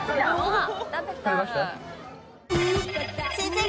はい。